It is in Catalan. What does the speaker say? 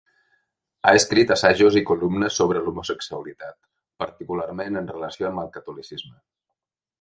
Ha escrit assajos i columnes sobre l'homosexualitat, particularment en relació amb el catolicisme.